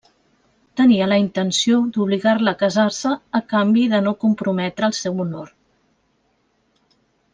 Tenia la intenció d'obligar-la a casar-se a canvi de no comprometre el seu honor.